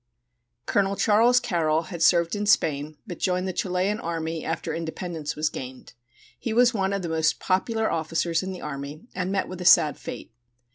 Colonel Charles Carroll had served in Spain, but joined the Chilian army after independence was gained. He was one of the most popular officers in the army, and met with a sad fate.